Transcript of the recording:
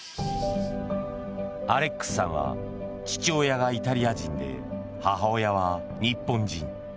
アレックスさんは父親がイタリア人で母親は日本人。